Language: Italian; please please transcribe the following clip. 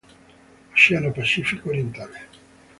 Oceano Pacifico orientale.